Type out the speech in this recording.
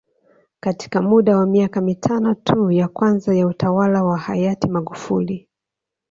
Katika muda wa miaka mitano tu ya kwanza ya utawala wa hayati Magufuli